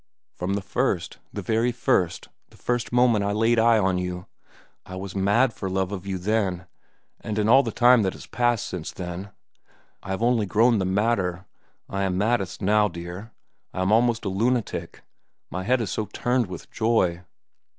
"From the first, the very first, the first moment I laid eye on you. I was mad for love of you then, and in all the time that has passed since then I have only grown the madder. I am maddest, now, dear. I am almost a lunatic, my head is so turned with joy."